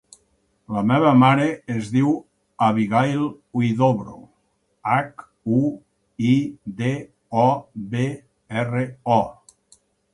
La meva mare es diu Abigaïl Huidobro: hac, u, i, de, o, be, erra, o.